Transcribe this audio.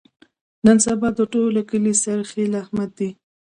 نن سبا د ټول کلي سرخیل احمد دی.